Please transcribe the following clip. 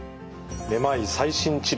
めまい最新治療